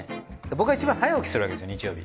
僕が一番早起きするわけですよ日曜日。